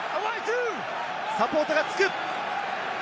サポートが付く。